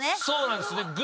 そうなんですね。